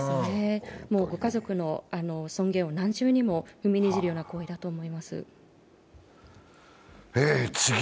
ご家族の尊厳を何重にも踏みにじる行為だと思います。